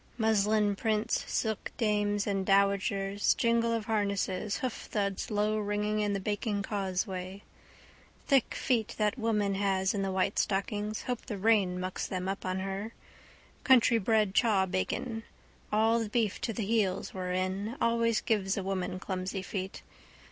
Muslin prints, silkdames and dowagers, jingle of harnesses, hoofthuds lowringing in the baking causeway. Thick feet that woman has in the white stockings. Hope the rain mucks them up on her. Countrybred chawbacon. All the beef to the heels were in. Always gives a woman clumsy feet.